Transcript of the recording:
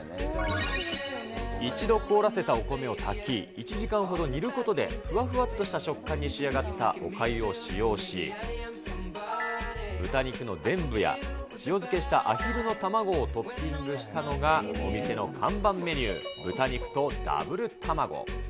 一度凍らせたお米を炊き、１時間ほど煮ることで、ふわふわっとした食感に仕上がったおかゆを使用し、豚肉のでんぶや塩漬けしたアヒルの卵をトッピングしたのがお店の看板メニュー、豚肉とダブル卵。